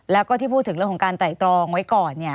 แล้วก็ที่พูดถึงเรื่องของการไต่ตรองไว้ก่อน